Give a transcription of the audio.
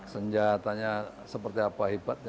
senjatanya seperti apa hebat